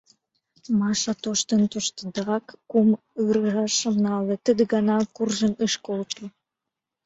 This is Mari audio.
Маша, тоштын-тоштдеак, кум ырашем нале, тиде гана куржын ыш колто.